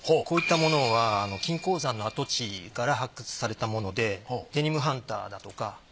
こういったものは金鉱山の跡地から発掘されたものでデニムハンターだとか。